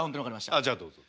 ああじゃあどうぞ。